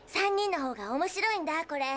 ３人のほうがおもしろいんだ。